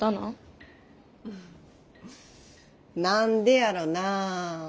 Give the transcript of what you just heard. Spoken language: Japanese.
何でやろなあ？